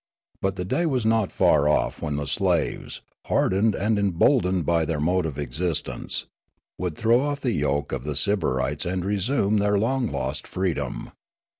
But the day was not far off when the slaves, hardened and em boldened by their mode of existence, would throw off the yoke of the sybarites and resume their long lost freedom.